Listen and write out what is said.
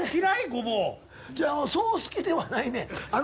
そう好きではないねん。